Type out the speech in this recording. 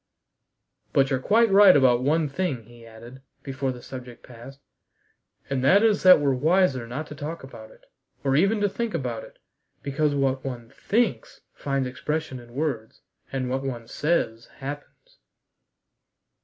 "But you're quite right about one thing," he added, before the subject passed, "and that is that we're wiser not to talk about it, or even to think about it, because what one thinks finds expression in words, and what one says, happens."